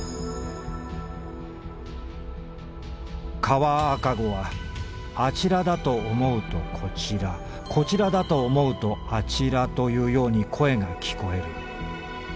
「川赤子はあちらだとおもうとこちらこちらだとおもうとあちらというように声が聞こえる。